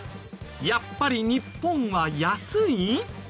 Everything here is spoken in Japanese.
やっぱり日本は安い？